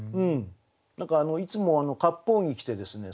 何かいつもかっぽう着着てですね